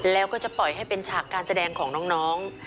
แล้วก็จะปล่อยให้เป็นฉากการแสดงของน้อง